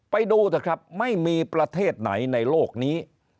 ไปดูเถอะครับไม่มีประเทศไหนในโลกนี้